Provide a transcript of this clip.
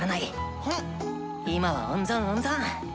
今は温存温存！